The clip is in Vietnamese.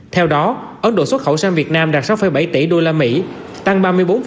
theo đó ấn độ xuất khẩu sang việt nam đạt sáu bảy tỷ đô la mỹ tăng ba mươi bốn